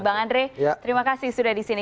bang andre terima kasih sudah disini